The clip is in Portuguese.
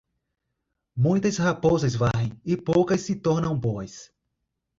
Muitas raposas varrem e poucas se tornam boas.